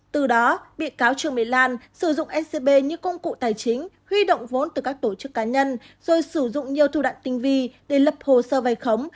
từ đó bị cáo trương mỹ lan sử dụng scb như công cụ tài chính huy động vốn từ các tổ chức cá nhân rồi sử dụng nhiều thủ đoạn tinh vi để lập hồ sơ vay khống